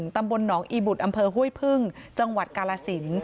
ตำบลหนองอีบุตรอำเภอห้วยพึ่งจังหวัดกาลสิน